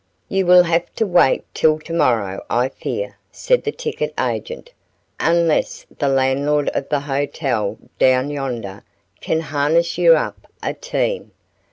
"You will have to wait till to morrow I fear," said the ticket agent, "unless the landlord of the hotel down yonder, can harness you up a team.